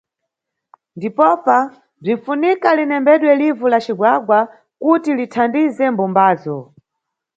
Ndipopa, bzinʼfunika linembedwe livu la cigwagwa kuti lithandize mbumbazo.